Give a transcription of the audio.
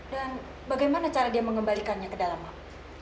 dan bagaimana cara dia mengembalikannya ke dalam mak